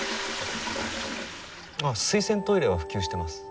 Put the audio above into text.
あっ水洗トイレは普及してます。